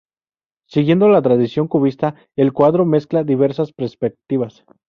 Siguiendo la tradición cubista, el cuadro mezcla diversas perspectivas.